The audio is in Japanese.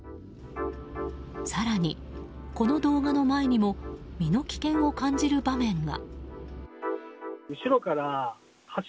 更に、この動画の前にも身の危険を感じる場面が。